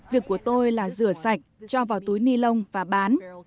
việc của tôi là rửa sạch cho vào túi ni lông và bán